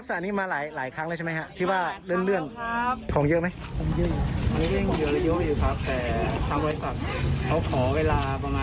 อันนี้มาหลายครั้งแล้วใช่ไหมค่ะ